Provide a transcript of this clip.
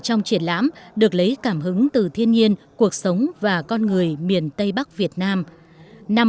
trang web triển lám được lấy cảm hứng từ thiên nhiên cuộc sống và con người miền tây bắc việt nam